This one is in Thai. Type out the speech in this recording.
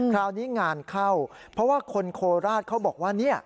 คราวนี้งานเข้าเพราะว่าคนโคราชเขาบอกว่าเนี่ย